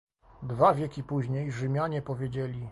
Dwa wieki później Rzymianie powiedzieli